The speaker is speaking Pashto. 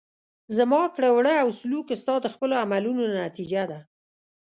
زما کړه وړه او سلوک ستا د خپلو عملونو نتیجه ده.